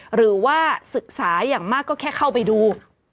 หรือว่าศึกษาอย่างมากก็แค่เข้าไปดู